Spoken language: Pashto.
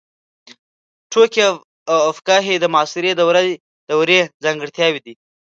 ټوکي او فکاهي د معاصرې دورې ځانګړتیاوې دي.